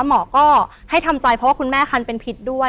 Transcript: หมอก็ให้ทำใจเพราะว่าคุณแม่คันเป็นพิษด้วย